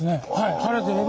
晴れてれば。